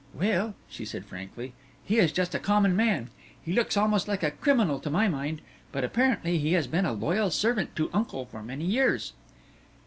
"Well," she said frankly, "he is just a common man. He looks almost like a criminal to my mind. But apparently he has been a loyal servant to uncle for many years."